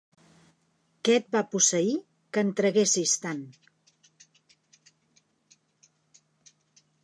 Què et va posseir, que en traguessis tant?